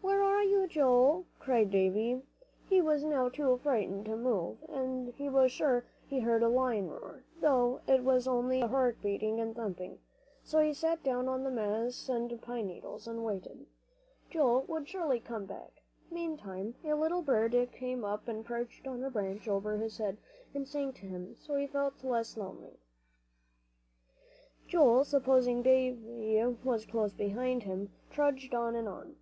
"Where are you, Joel?" cried Davie. He was now too frightened to move, and he was sure he heard a lion roar, though it was only his heart beating and thumping; so he sat down on the moss and pine needles, and waited. Joel would surely come back. Meantime a little bird came up and perched on the branch above his head, and sang to him, so he felt less lonely. Joel, supposing Davie was close behind him, trudged on and on.